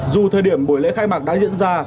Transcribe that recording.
dù thời điểm buổi lễ khai mạc đã diễn ra